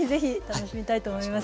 楽しみたいと思います。